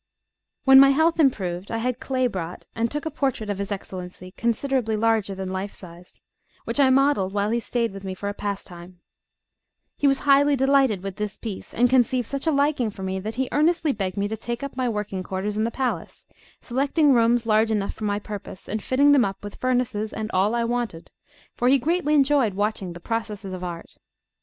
When my health improved, I had clay brought, and took a portrait of his Excellency, considerably larger than life size, which I modelled while he stayed with me for pastime. He was highly delighted with this piece, and conceived such a liking for me that he earnestly begged me to take up my working quarters in the palace, selecting rooms large enough for my purpose, and fitting them up with furnaces and all I wanted, for he greatly enjoyed watching the processes of art.